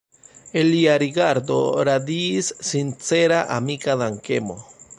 El lia rigardo radiis sincera amika dankemo.